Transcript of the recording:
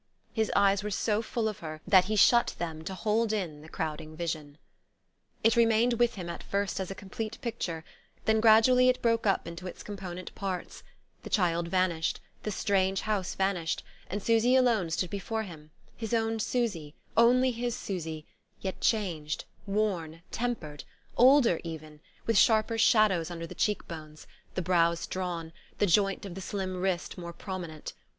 His eyes were so full of her that he shut them to hold in the crowding vision. It remained with him, at first, as a complete picture; then gradually it broke up into its component parts, the child vanished, the strange house vanished, and Susy alone stood before him, his own Susy, only his Susy, yet changed, worn, tempered older, even with sharper shadows under the cheek bones, the brows drawn, the joint of the slim wrist more prominent.